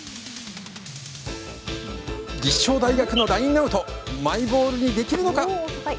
立正大学のラインアウト、マイボールにできるのか。